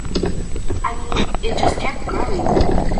I mean, it just kept growing!